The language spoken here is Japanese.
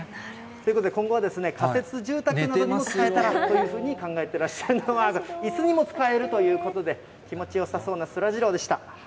ということで、今後は、仮設住宅などにも使えたらというふうに考えてらっしゃると、いすにも使えるということで、気持ちよさそうなそらジローでした。